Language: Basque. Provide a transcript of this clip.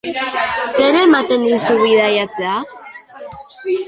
Zer ematen dizu bidaiatzeak?